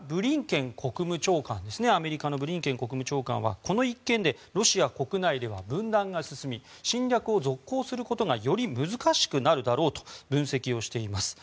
またアメリカのブリンケン国務長官はこの一件でロシア国内では分断が進み侵略を続行することがより難しくなるだろうと分析しています。